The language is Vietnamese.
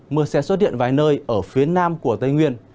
mưa sẽ xuất hiện vài nơi ở phía nam của tây nguyên